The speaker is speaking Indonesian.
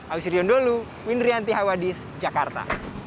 aku sirion dholu windrianti haywadis jakarta